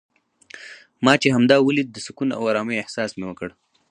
ما چې همدا ولید د سکون او ارامۍ احساس مې وکړ.